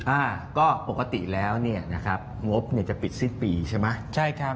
อ่าก็ปกติแล้วเนี่ยงบจะปิดสิ้นปีใช่เปล่า